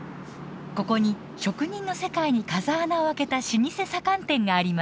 ここに職人の世界に風穴を開けた老舗左官店があります。